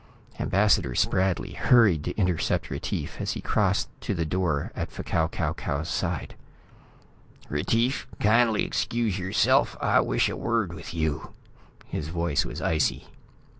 Ambassador Spradley hurried to intercept Retief as he crossed to the door at F'Kau Kau Kau's side. "Retief, kindly excuse yourself, I wish a word with you." His voice was icy.